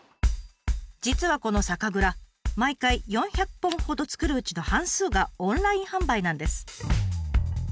実はこの酒蔵毎回４００本ほど造るうちの半数がオンライン販売なんです。